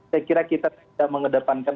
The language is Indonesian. saya kira kita tidak mengedepankan